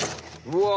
うわ。